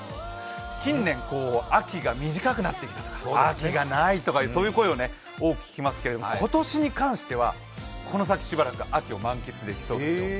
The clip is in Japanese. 近年、秋が短くなってきたとか秋がないとか、そういう声を多く聞きますけど今年に関してはこの先しばらく秋を満喫できそうですよ。